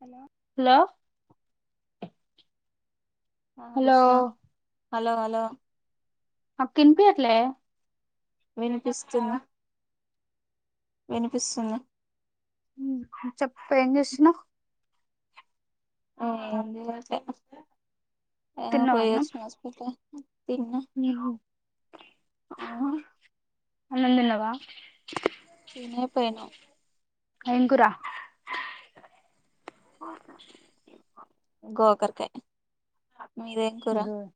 Hello hello hello ఆరిసా hello hello అ కిన్పియట్లే వినిపిస్తున్నా వినిపిస్తుంది చెప్ప ఏం చేస్తున్నావ్ ఏంచేయట్లే [unintelligible] తిన్నావా అన్నం పోయివచ్చిన హాస్పిటల్ కి ఉ తిన్న ఆ అన్నం తిన్నావా తినే పోనా ఏం కురా గోకర్కయి [unintelligible]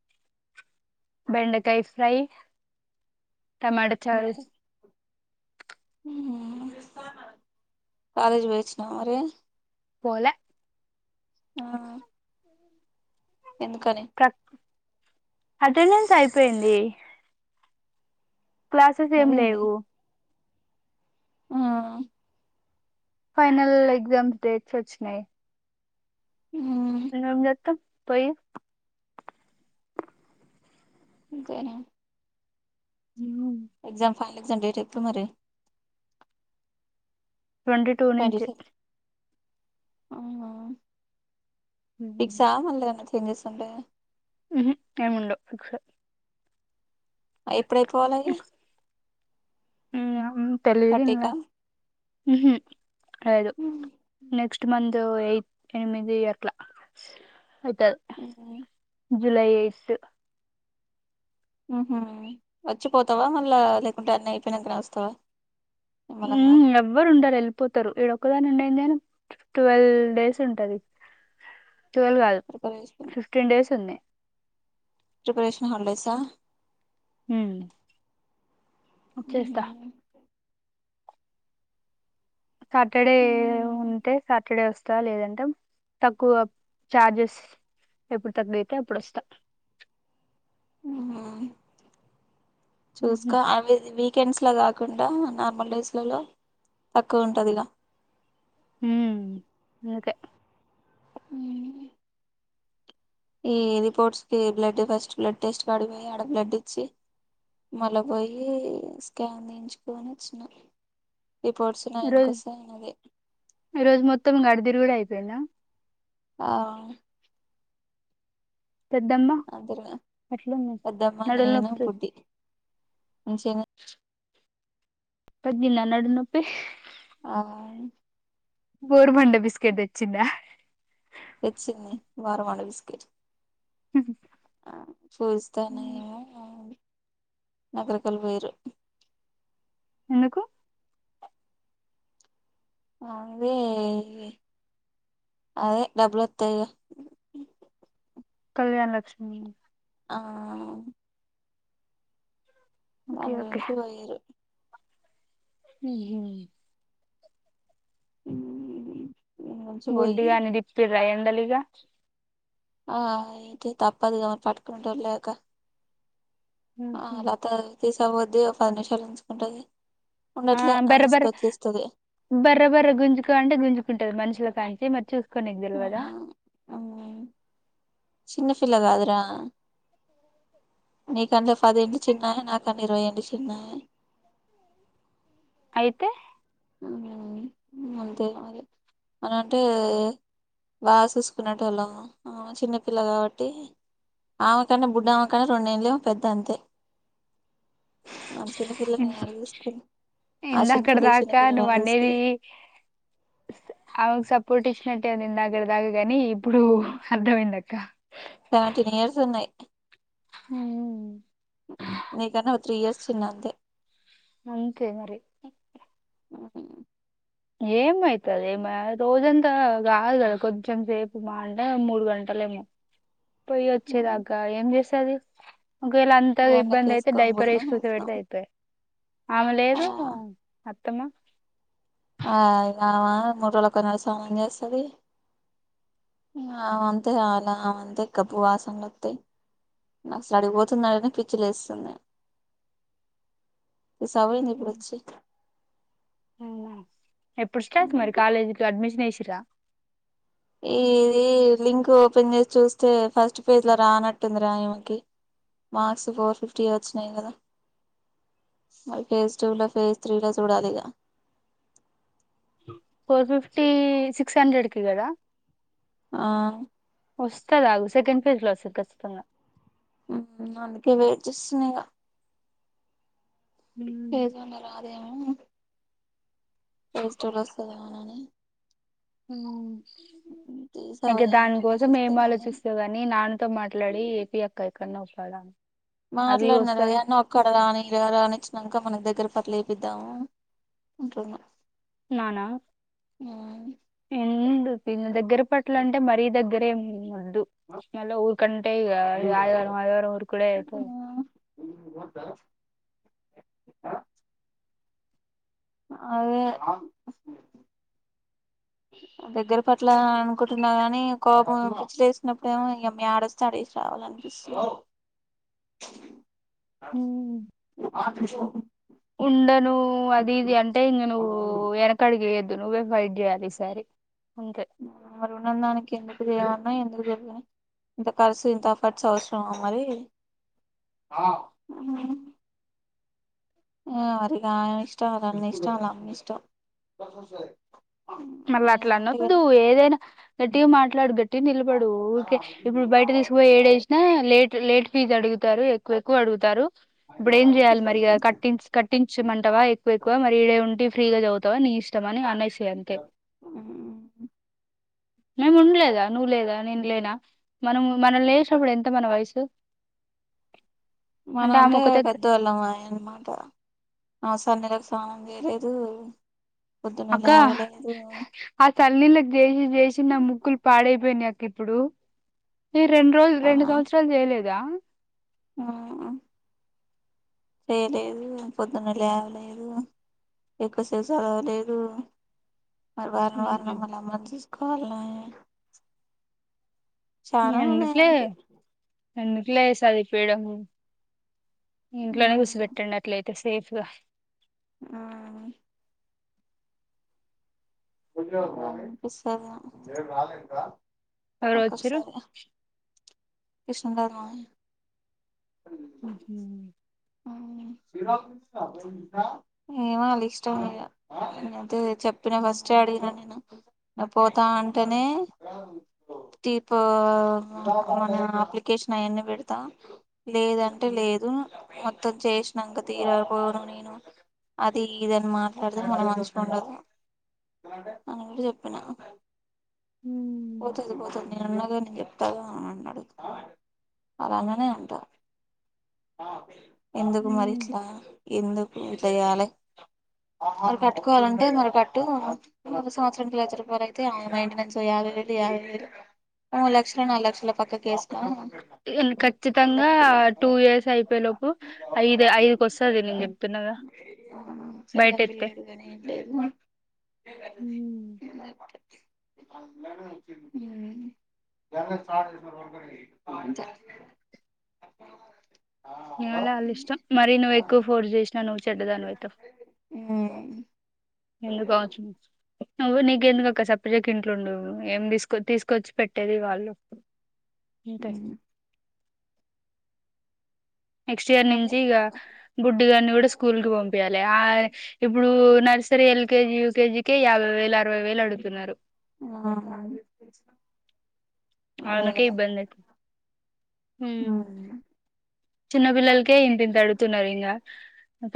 బెండకాయ ఫ్రై టమాటో చారు మీది కాలేజ్ పోయిచ్చిన మరి పోలే ఆ ఎందుకని అటెండెన్స్ అయిపోయింది క్లాసెస్ ఏం అదేంది లేవు ఆ ఫైనల్ ఎగ్జామ్స్ డేట్స్ వచ్చినాయి మ్మ్ [unintelligible] జత్త పోయి అంతేనే ఎగ్జా ఫైనల్ [unintelligible] డేట్ ఎప్పుడు మరి ట్వంటీ టూ నుంచి ఆ ఫిక్సా మన [unintelligible] ఏంచేస్తుంటది హ్మ్ హు ఏముండవ్ ఫిక్స్ ఎప్పుడైపోవాలి అయి థర్టీ క హ్మ్ అయిదు నెక్స్ట్ ఇట్ మందో ఎయి ఎనిమిది అట్లా అయిత మ్మ్ జులై ఎయిట్ హ్మ్ హు వచ్చిపోతావా మళ్ళా లేకుంటే అన్నీ అయిపోయినంకనే వస్తావా నిమ్మలంగా హ్మ్ ఎవ్వరు ఉండారు వెళ్ళిపోతారు ఇక్కడ ఒక్కదాన్ని ఉండి ట్వల్వ్ డేస్ ఉంటది ట్వెల్వ్ కాదు ప్రపరేషన్ ఫిఫ్టీన్ డేస్ ఉంది ప్రిపరేషన్ హాలిడేసా హ్మ్ వచ్చేస్తా సాటర్డే ఉంటే సాటర్డే వస్ తా లేదంటే తక్కువ చార్జెస్ ఎప్పుడు తక్కువతే అప్పుడు వస్తా హ్మ్ ఉహు. చూసుకో అవి దివి వీకెండ్స్ లో కాకుండా నార్మల్ డేస్లలో తక్కువ ఉంటది ఇగా హ్మ్ ఓకే హ్మ్ ఈ రిపోర్త్స్కి బ్లడ్ ఫస్ట్ బ్లడ్ టెస్ట్ కాడికి పోయి ఆడ బ్లడ్ ఇచ్చి మళ్ళ పోయి స్కాన్ తీంచుకుని వచ్చిన రిపోర్ట్స్ ఈ నైన్కి రోజ్ వస్తాయి అదే ఈ రోజు మొత్తం గడిదిరి కూడా అయి వెన్న ఆ పెద్దమ్మ అద్దరుగా ఎట్లుంది పెద్దమ్మ నడులు నేను నొప్పి బుడ్డి మంచిగనే తగ్గిందా నడుంనొప్పి ఆ బ బండ బిస్కెట్ తెచ్చిందా తెచ్చింది వార వాండ బిస్కెట్ ఆ చూస్తానేమో నగర కలి పొయిర్రు ఎందుకు అదే అదే డబ్బులు వస్తాయిగా కళ్యాణ లక్ష్మి ఆ ఓకే నన ఉం చూ వేయరు మ్మ్ హ్మ్ ఉ బుడ్డిగా అని దిప్పిరా ఎ లిగా ఆ అయితే తప్పదు కామని పట్టుకుంట లేక అ అలాత తీస అవద్ది ఒక పది నిమిషాలు ఉంచుకుంటది ఆ ఉండట్లే అని బరోబరు తీసుకొచ్చేస్తది బరోబరు గుంజుక అంటే గుంజుకుంటది మనుషుల కాంట చూస్తే నిక్ ఆ తెలవదా మ్ చిన్న ఫిల్లా కాదురా నీకంటే పది ఇంలు చిన్నాయ నాకంటే ఇరవై ఇంళ చిన్నాయ అయితే అంతే మ అని అంటే బాగా చూసుకునేట్ వాళ్ళము చిన్నపిల్ల కాబట్టి ఆమెకన్నా బుడ్డుమ్మకన్నా రెండడుేళ్ళ పెద్ద అంతే నాన్న చిన్నపిల్లనిేను అడు చూసుకుని ఆ ఇందాకడ చిన్నపిల్ల దాకా చిన్నపిిల్లని నువ్వు అడు అనేది చూస్తుంది పోటీషన్ అంటే నేను ఇందాక తాగేది కానీ ఇప్పుడు అర్థమైంది అక్క సెవెంటీన్ ఇయర్స్ ఉన్నాయి నీకన్నా ఒక హ్మ త్రీ ఇయర్స్ చిన్న అంతే మరింకే మరి ఏమవుతుంది ఏమ రోజంతా కాదు కదా కొంచెం సేపు మా అంటే మూడు గంటలు ఏమో పోయి వచ్చేదాకా ఏం చేస్తాం సాదివి ఒకవేళ అంత ఇబ్బంది అయితే ఎండకేసుకొని డైపర్ పోయినాం వేసి వచ్చినాం కూర్చోబెడితే అయిపోయే ఆమె ఆ లేదు ఉత్తమ ఆమె నా మూడు రోజులకు ఒకసారి స్నానం చేస్తది ఆమె అంతే గబ్బువాసనలు వస్తయి అసలు అడిగిపోతున్నాడని పిచ్చి లేస్తుంది ఈ సౌడేంది ఇప్పుడు ఎప్పుడు స్టార్ట్ వచ్చి మరి కాలేజీ అడ్మిషన్లు విగ్నేశ్వర ఇది లింక్ ఓపెన్ చేసి చూస్తే ఫస్ట్ పేజీలో రానట్టుంది రా ఈమెకి మార్క్స్ ఫోర్ ఫిఫ్టీ వచ్చినాయి కదా మరి పేజీ టూలో పేజీ త్రీలో చూడాలి ఇక ఫోర్ ఫిఫ్టీ సిక్స్ హండ్రెడ్ కి కదా ఆ వస్తది ఆగు సెకండ్ పేజ్ లో వస్తంది. ఖచ్చితంగా అందుకే వెయిట్ చేస్తున్నా ఇగ పేజ్ నెంబర్ రాదేమో. ప్లే స్టోర్ లో వస్తదేమోనని. ఊ ఇక తీసావయ్యా దాని అన్న కోసం ఆలోచిస్తే ఏం గాని ఆలోచిస్తవ్ గాని నాన్ తొ మాట్లాడి ఏపీ అక్క ఎక్కడ్నో ఒక్కాడ మాట్లాడినారా యడనో ఒక్కడు గానీ ఈడదాక రానించిన్నాక మన దగ్గ్ తిరుపతిలో వేపిద్దాము అంటున్న. నానా ఏంముండు ఏందో దగ్గర పట్ల మరి దగ్గ్ దగ్గరే ఉంది మరి. టు మళ్ళ ఊరుకంటే ఇగ ఆదివారం ఆదివారం వురుకుడే ఐపోయే [unintelligible] అదే దగ్గర పట్ల అనుకుంటున్నా గానీ కోపం పిచ్చి లేచినప్పుడు ఏమో యాడ వస్తువు ఆడేసి రావాలనిపిస్తుంది. ఊ ఉండను అది ఇది అంటే ఇంగ నువ్వు వెనక అడిగేయద్ నువ్వే ఫైట్ చేయాలి ఈ సారీ. మరి ఉండని దానికి ఎందుకు చేయాలి. మాయ్ ఎందుకు చెప్పు మాయ్ ఇంత కర్సు ఇంత ఖర్చు అవసరమా మరి ఏమో మరి ఇగ ఆయన ఇష్టం వాళ్ళ అన్న ఇష్టం వాళ్ళ అమ్మ ఇష్టం. మళ్ళ అట్ల నేనంటే అనొద్దు. ఏదైనా గట్టిగా మాట్లాడు గట్టిగ నిలబడు. ఊరికే ఇప్పుడు బయట తీసుకుపోయి ఏడేసిన లేట్ లేట్. ఇది అడుగుతారు ఎక్కువ ఎక్కువ అడుగుతారు. ఇప్పుడు ఏం చెయాలి మరి ఇగ కట్టిచ్ కట్టించమంటవా ఎక్కువ ఎక్కువ మరి ఇడే ఉండి ఫ్రీగా చవుతావా నీ ఇష్టమని అన్నాయ్ సీ యంకే ఊ మేము ఉండ్లేదా నువ్వు లేదా నేను లేనా మనము మనం లేసినప్పుడు ఎంత మన వయసు. మన ఆమె అంటే ఒకతే పెద్దవాళ్ళమాయే అనమాట ఆస్ పండగలకి సామాన్లు ఈలేదు. అక్క అ చన్నీలక్ చేసి చేసి నా ముక్కులు పాడైపోయినయ్ అక్క ఇప్పుడు. ఈ రెండు రోజుల్ రెండు సంవత్సరాలు చేయలేద్. దా ఆ అ తేలేదు, పొద్దున్నే లేవలేదు, ఎక్కువ సేపు చదవలేదు. మరి వారం వారం వాళ్ళ అమ్మని చూ కాల్న ఎందుకులే ఎందుకు ఇట్లేసది పేడము ఇంట్లోనే గుర్చపెట్టండి అట్లయితే సేఫ్ రా ఆ ఆ చూసుకోల్ల ఎవరో వచ్చిర్రు కృష్ణమ్ గారి మావయ్య ఊహు ఆ ఏమో వాల్ల ఇష్టం ఇగ నేనైతే చెప్పిన ఫస్ట్ వచ్చి అడిగిన నేను పోతా అంటేనే తీపు మన అప్లికేషన్ అయన్నీ పెడతా లేదంటే లేదు మొత్తం చేసినాక తీర పోను నేను అది ఇదని మాట్లాడతే మల్లా మంచిగుండదు. అని కూడా చెప్పిన పోతది పోతది నేనున్నాగా నేను చెప్తా వత్తగా అని అన్నడు అలాగనే అంటా ఎందుకు మరి ఇట్లా ఎందుకు ఇ యాలె మరి కట్టుకోవాలంటే మరి కట్టు ఒక సంవత్సరంకి లక్ష రూపాయలు అయితే ఆ మెయింటెనెన్స్ యావై వేలు యావై వేలు మూడూ లక్షలో నాలుగు లక్షలో పక్కకేస్కో ఖచ్చితంగా టూ ఇయర్స్ అయిపోయే లోపు ఐదు ఐదుకోస్తది నేను చెప్తున్నగా బయట పెళ్ళాం ఎత్తే పిల్లలు ఎరుగని ఏం లేదు ఊ [unintelligible] ఏమోలే వాళ్ళ ఇష్టం మరీ నువ్వు ఎక్కువ ఫోర్స్ చేసిన నువ్ చెడ్డదానివయితవ్ మ్మ్ ఎందుకు కావచ్చు నువ్వు నీకెందుకక్క సప్పుడుజేక తిట్లుండు నువ్వు ఏం తీసుకొ తీసుకొచ్చి పెట్టేది వాళ్ళు ఇంతే నెక్స్ట్ ఇయర్ అదే నించి ఇగ గుడ్డుగాన్ని గూడ స్కూల్ కి పంపియ్యాలే ఆ ఇప్పుడు నర్సరీ ఎల్కేజీ యూకేజీ కే యాభై వేలు అరవైవేలు అడుగుతున్నరు. ఆ అదే ఆయనకే కదా ఇబ్బంది అయితద్ హు ఉమ్. చిన్నపిల్లలకి కే ఇంతింత అడుతున్నరు ఇంగా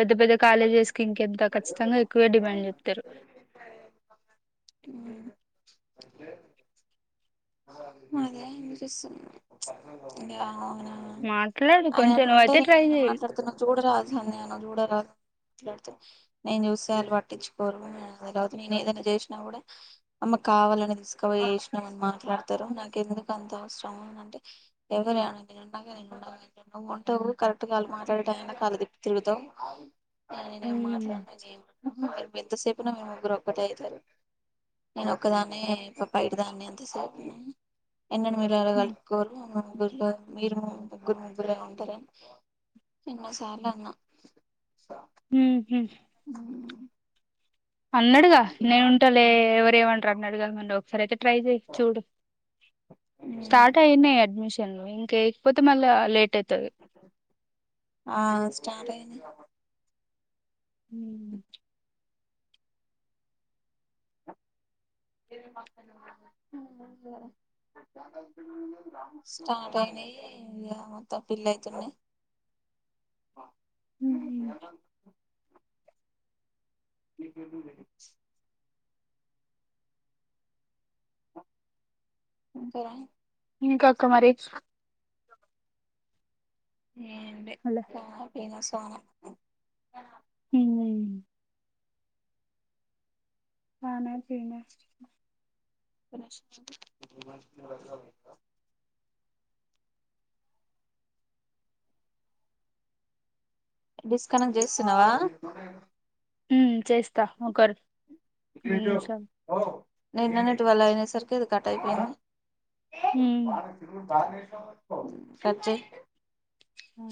పెద్ద పెద్ద కాలేజెస్ కి ఇంకెంత ఖచ్చితంగ ఎక్కువే డిమాండ్ చేత్తరు. అదే ఆలోచిస్తున్న ఇంగ ఆయన మాట్లాడు కొంచెం నువ్వయితే ఆయనంటేనే ట్రై నేను చెయి మాట్లాడుతున్నా చూడరాదు సన్ని అన్న ఏమైన చూడరాదు నేను చూస్తే వాళ్ళు పట్టిచ్చుకోరు నేను ఏదైనా చేసినా గూడా అమే కావాలని తీసుకపోయి చేసినవన మాట మాట్లాడతారు నాకు ఎందుకు అంత అవసరమా అంటే ఎవరే అనేది నేనుండగా అంటే నువ్వు ఉంటవ్ కరక్ట్ గా వాళ్ళు మాట్లాడే టైమ్ కళ్ళు తిపుతావ్ ఆ నేనేం మాట్లాడను [inaudible] ఎంతసేపున మీ ముగ్గురు ఒక్కటే అయితరు నేను ఒక్కదాన్ని బయట దాన్ని ఎంత సేపు మ్మ్ ఎన్నడు [unintelligible] ముగ్గురు మీరు ముగ్గురు ముగ్గురే ఉంటరని ఎన్నోసార్ల అన్న ఉహు ఉ అన్నడుగా నేను ఉంటలే ఎవరమంటరు అన్నడుగ మ సరే అయితే ట్రై చేయి చూడు స్టార్ట్ అయినయి అడ్మిషన్లు ఇంక ఏయకపోతే మళ్ళా లేట్ అయి తది ఆ స్టార్ట్ అయినయి మ్మ్ స్టార్ట్ అయినయి ఇగ మొత్తం ఫిల్ అయితున్నయి మ్మ్ [unintelligible] ఇంకా ఇకా అక్క మరి ఏం లే అలా [unintelligible] తనే మ్మ్ అనా చెన [unintelligible] డిస్కనెక్ట్ చేస్తున్నావా మ్మ్ చేస్తా ఒకరు [unintelligible] నేను నీన్నటివల్ల అయిన సరికి అది కట్ అయిపోయింది ఉమ్ వాన వచ్చింది చూడు సచ్చే ఆ